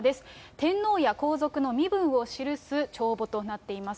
天皇や皇族の身分を記す帳簿となっています。